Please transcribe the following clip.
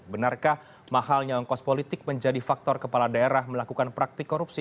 benarkah mahalnya ongkos politik menjadi faktor kepala daerah melakukan praktik korupsi